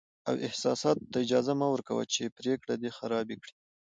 او احساساتو ته اجازه مه ورکوه چې پرېکړې دې خرابې کړي.